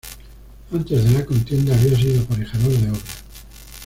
Antes de la contienda había sido aparejador de obras.